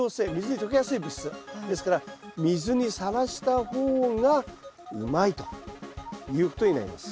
ですから水にさらした方がうまいということになります。